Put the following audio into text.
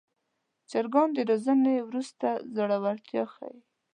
چرګان د روزنې وروسته زړورتیا ښيي.